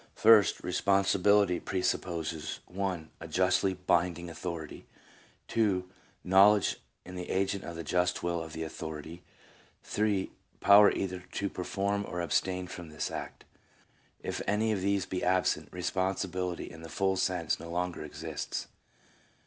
First, 1 " Responsibility presupposes: (i) a justly binding authority; (2) knowledge in the agent of the just will of the authority; (3) power either to perform or abstain from this act. If any of these be absent, responsibility in the full sense no longer exists."